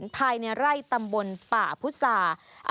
ภายในไร่ตำบลป่าพุทธศาสตร์